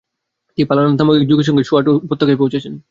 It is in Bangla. তিনি পালনাথ নামক এক যোগীর সঙ্গে সোয়াট উপত্যকা পৌঁছন।